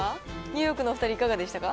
ニューヨークのお２人、いかがでしたか？